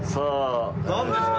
何ですか？